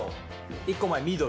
１個前緑。